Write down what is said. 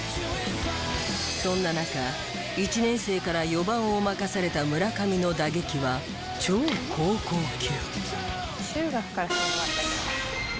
そんな中１年生から４番を任された村上の打撃は超高校級。